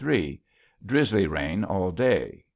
3. Drisly rain all Day.